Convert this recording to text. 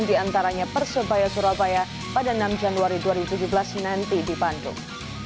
di antaranya persebaya surabaya pada enam januari dua ribu tujuh belas nanti di bandung